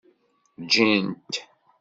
Jjint.